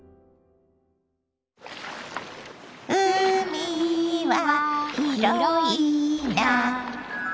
「うみはひろいな」